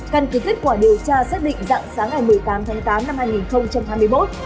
căn cứ kết quả điều tra xác định dạng sáng ngày một mươi tám tháng tám năm hai nghìn hai mươi một